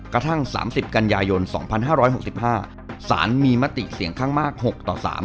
กระทั่ง๓๐กันยายน๒๕๖๕สารมีมติเสียงข้างมาก๖ต่อ๓